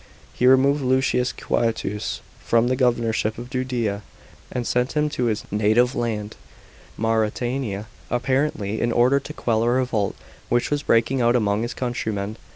He removed Lusius Quietus from the governorship of Judea, and sent him to his native land, Mauretania, apparently in order to quell a revolt which was breaking out among his countrymen.